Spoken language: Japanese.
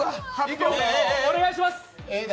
お願いします。